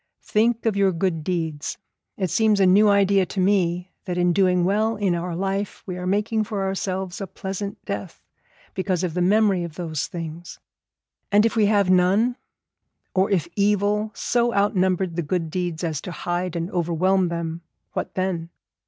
Think of your good deeds. It seems a new idea to me that in doing well in our life we are making for ourselves a pleasant death, because of the memory of those things. And if we have none? or if evil so outnumbered the good deeds as to hide and overwhelm them, what then?